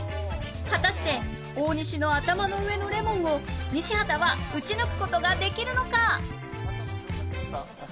果たして大西の頭の上のレモンを西畑は打ち抜く事ができるのか？